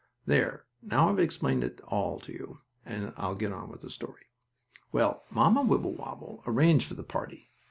There, now I've explained it all to you, and I'll get on with the story. Well, Mamma Wibblewobble arranged for the party.